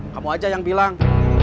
kamu aja yang bilang